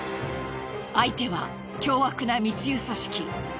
相手は凶悪な密輸組織。